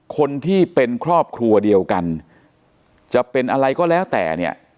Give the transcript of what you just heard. คนที่เป็นครอบครัวเดียวกันจะเป็นอะไรก็แล้วแต่เนี่ย